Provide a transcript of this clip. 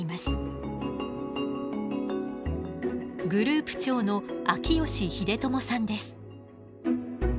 グループ長の秋吉英智さんです。